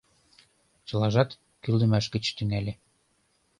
Чылажат кӱлдымаш гыч тӱҥале.